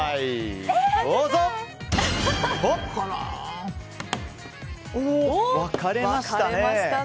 どうぞ！分かれましたね。